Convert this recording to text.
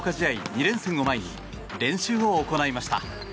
２連戦を前に練習を行いました。